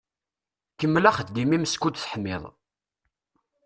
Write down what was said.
Kemmel axeddim-im skud teḥmiḍ.